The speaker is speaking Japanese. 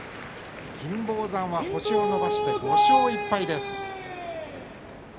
金峰山は星を伸ばして５勝１敗です。